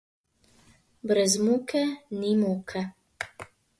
Brez muke ni moke.